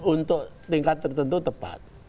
untuk tingkat tertentu tepat